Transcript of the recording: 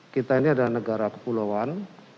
kita ini adalah negara kepulauan